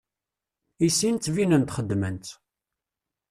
I sin ttbinen-d xedmen-tt.